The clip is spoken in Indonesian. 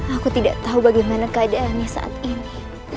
aku tidak tahu bagaimana keadaannya saat ini